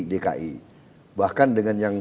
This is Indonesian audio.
dki bahkan dengan yang